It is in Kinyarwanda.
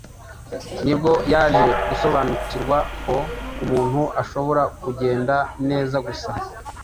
nibwo yaje gusobanukirwa ko umuntu ashobora kugenda neza gusa